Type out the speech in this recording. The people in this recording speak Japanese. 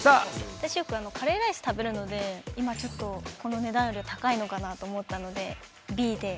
私よくカレーライス食べるので今ちょっとこの値段よりは高いのかなと思ったのでＢで。